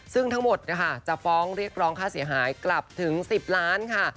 ซึ่งทั้งหมดนะคะจะฟ้องเรียกร้องค่าเสียหายกลับถึง๑๐ล้านค่ะ